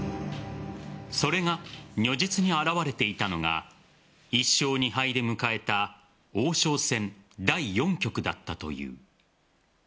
それが如実に表れていたのが１勝２敗で迎えた王将戦第４局だったという。